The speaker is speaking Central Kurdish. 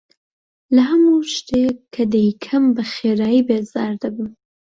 لە هەموو شتێک کە دەیکەم بەخێرایی بێزار دەبم.